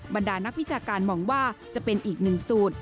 บรรดานักวิชาการมองว่าจะเป็นอีกหนึ่งสูตร